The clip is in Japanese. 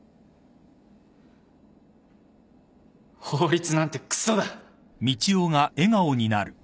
法律なんてくそだ。